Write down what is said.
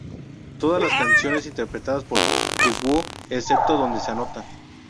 Todas las canciones interpretadas por The Who excepto donde se anota.